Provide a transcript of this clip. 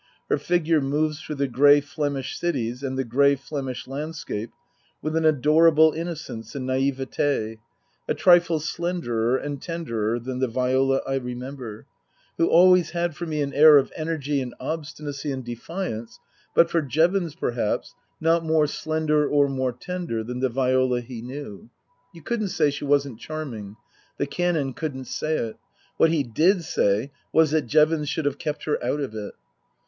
Her figure moves through the grey Flemish cities and the grey Flemish landscape with an adorable innocence and naivete, a trifle slenderer and tenderer than the Viola I remember, who always had for me an air of energy and obstinacy Book II : Her Book 145 and defiance, but for Jevons, perhaps, not more slender or more tender than the Viola he knew. You couldn't say she wasn't charming. The Canon couldn't say it ; what he did say was that Jevons should have kept her out of it.